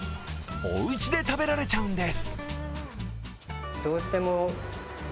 おうちで食べられちゃうんです。